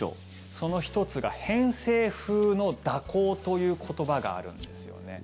その１つが偏西風の蛇行という言葉があるんですよね。